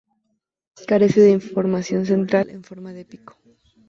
Carece de formación central en forma de pico.